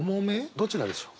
どちらでしょう？